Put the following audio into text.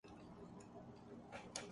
ریاست ایک جدید ادارہ ہے۔